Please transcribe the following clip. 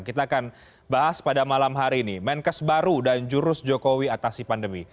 kita akan bahas pada malam hari ini menkes baru dan jurus jokowi atasi pandemi